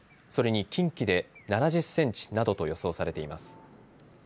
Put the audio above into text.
それに近畿で７０センチなどと予想されています。